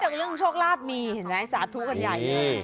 แต่เรื่องโชคลาภมีสาธุกันใหญ่